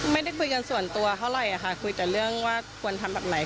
ไม่ได้คุยกันส่วนตัวเท่าไหร่ค่ะคุยแต่เรื่องว่าควรทำแบบไหน